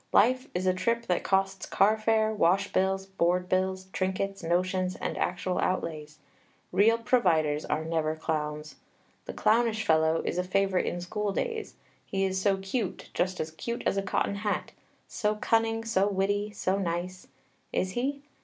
Life is a trip that costs car fare, wash bills, board bills, trinkets, notions, and actual outlays. Real providers are never clowns; the clownish fellow is a favorite in school days. He is so cute, just as cute as a cotton hat, so cunning, so witty, so nice. Is he?